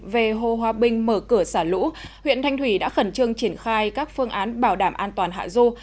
về hồ hòa bình mở cửa xả lũ huyện thanh thủy đã khẩn trương triển khai các phương án bảo đảm an toàn hạ du